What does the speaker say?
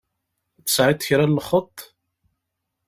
Tesεiḍ kra n lxeṭṭ?